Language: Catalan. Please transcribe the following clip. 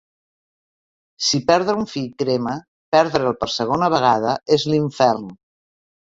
Si perdre un fill crema, perdre'l per segona vegada és l'infern.